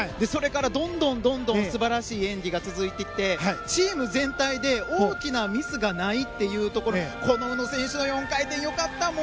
それからどんどん素晴らしい演技が続いていってチーム全体で大きなミスがないというところこの宇野選手の４回転よかった。